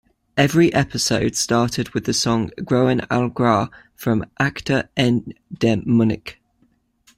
Every episode started with the song "Groen als gras" from Acda en De Munnik.